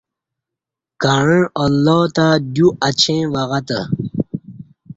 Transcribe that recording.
کعں اللہ تہ دیو اڄیں وگہ تہ